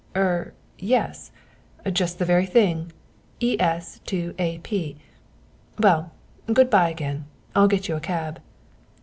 "Er yes just the very thing. E.S. to A.P. well, good bye again. I'll get you a cab."